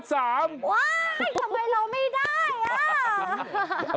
ว้ายทำไมเราไม่ได้